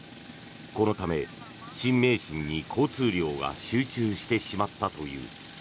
このため新名神に交通量が集中してしまったという。